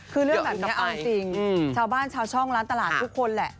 คือเรื่องแบบนี้เอาจริงชาวบ้านชาวช่องร้านตลาดทุกคนแหละ